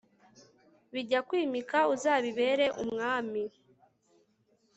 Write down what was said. bijya kwimika uzabibera umwami